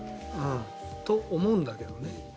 そう思うんだけどね。